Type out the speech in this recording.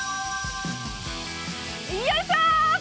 よいしょ！